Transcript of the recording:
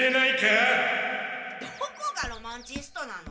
・どこがロマンチストなの！？